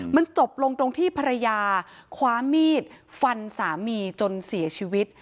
มันจบลงตรงที่ภรรยาคว้ามีดฟันสามีจนเสียชีวิต